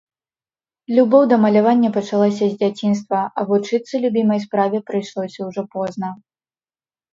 Любоў да малявання пачалася з дзяцінства, а вучыцца любімай справе прыйшлося ўжо позна.